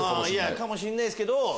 かもしれないですけど。